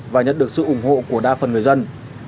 và nhận được sự ủng hộ của đa phần người dân